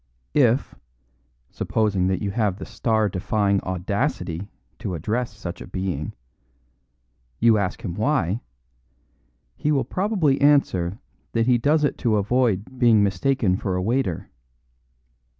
If (supposing that you have the star defying audacity to address such a being) you ask him why, he will probably answer that he does it to avoid being mistaken for a waiter.